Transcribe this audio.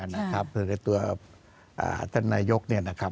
ในตัวธนายก